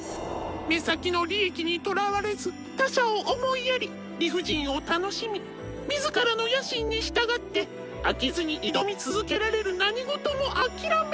目先の利益にとらわれず他者を思いやり理不尽を楽しみ自らの野心に従って飽きずに挑み続けられる何事も諦めない